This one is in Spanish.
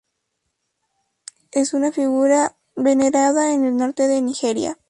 Es una figura venerada en el norte de Nigeria.